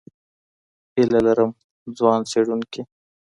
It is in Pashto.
هیله لرم ځوان څېړونکي